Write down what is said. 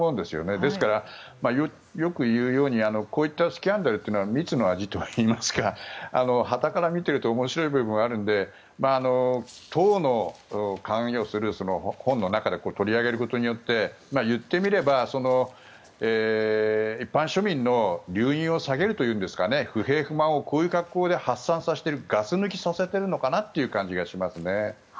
ですから、よく言うようにこういうスキャンダルは蜜の味といいますかはたから見ていると面白い部分があるので党の勧誘をする本の中で取り上げることによって言ってみれば一般庶民の留飲を下げるというか不平不満をこういう格好で発散させているガス抜きさせているのかなという感じがしますね。